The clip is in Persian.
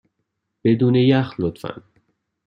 بدون یخ، لطفا.